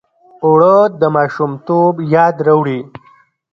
اوړه د ماشومتوب یاد راوړي